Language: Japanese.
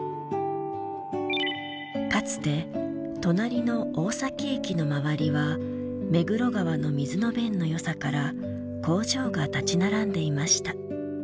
かつて隣の大崎駅の周りは目黒川の水の便のよさから工場が立ち並んでいました。